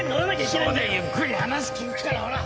署でゆっくり話を聞くから。